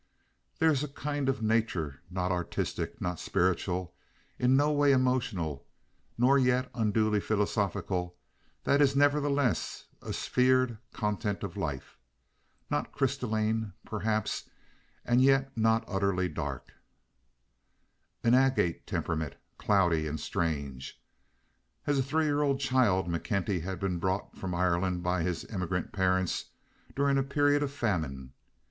There is a kind of nature, not artistic, not spiritual, in no way emotional, nor yet unduly philosophical, that is nevertheless a sphered content of life; not crystalline, perhaps, and yet not utterly dark—an agate temperament, cloudy and strange. As a three year old child McKenty had been brought from Ireland by his emigrant parents during a period of famine.